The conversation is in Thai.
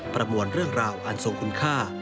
ประมวลเรื่องราวอันทรงคุณค่า